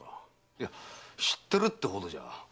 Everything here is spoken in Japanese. いや知ってるってほどでも。